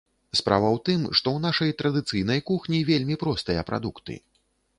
Справа ў тым, што ў нашай традыцыйнай кухні вельмі простыя прадукты.